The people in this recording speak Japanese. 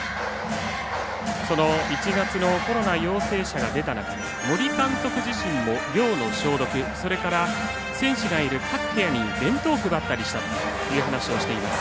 その１月のコロナ陽性者が出た中で森監督自身は寮の消毒それから、選手がいる各部屋に弁当を配ったという話をしています。